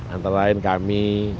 antara lain kami